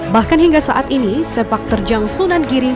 bahkan hingga saat ini sepak terjang sunan giri